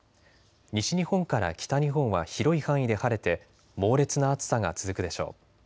西日本から北日本は広い範囲で晴れて猛烈な暑さが続くでしょう。